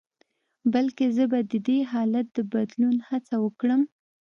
بلکې زه به د دې حالت د بدلون هڅه وکړم.